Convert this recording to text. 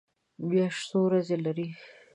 میاشت څو ورځې لري؟